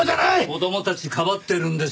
子供たちかばってるんでしょ？